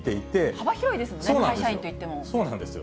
幅広いですもんね、会社員とそうなんですよ。